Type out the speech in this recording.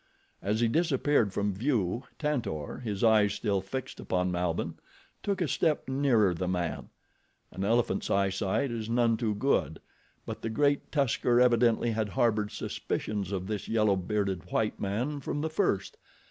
As he disappeared from view Tantor, his eyes still fixed upon Malbihn, took a step nearer the man. An elephant's eyesight is none too good; but the great tusker evidently had harbored suspicions of this yellow bearded white man from the first.